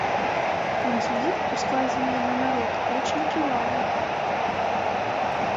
Ланцугі, ускладзеныя на народ, рэч нетрывалая.